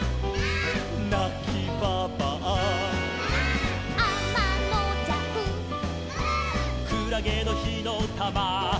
「なきばばあ」「」「あまのじゃく」「」「くらげのひのたま」「」